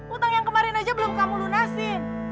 utang yang kemarin aja belum kamu lunasin